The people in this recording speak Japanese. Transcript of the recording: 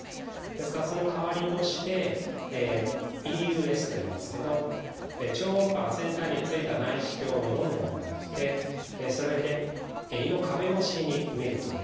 ですからその代わりとして「ＥＵＳ」といいますけど超音波が先端に付いた内視鏡をのんでもらってそれで胃の壁越しにみるという検査を行います。